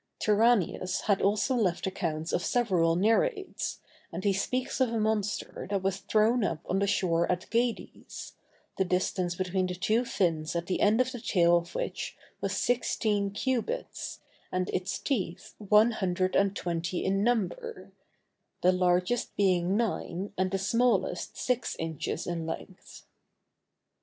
Turranius has also left accounts of several nereids, and he speaks of a monster that was thrown up on the shore at Gades, the distance between the two fins at the end of the tail of which was sixteen cubits, and its teeth one hundred and twenty in number; the largest being nine, and the smallest six inches in length.